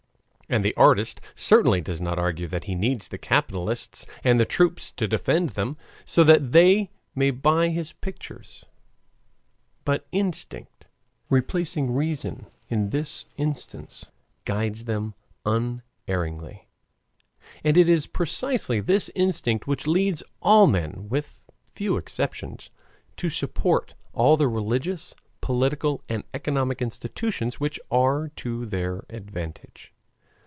And the artist certainly does not argue that he needs the capitalists and the troops to defend them, so that they may buy his pictures. But instinct, replacing reason in this instance, guides them unerringly. And it is precisely this instinct which leads all men, with few exceptions, to support all the religious, political, and economic institutions which are to their advantage.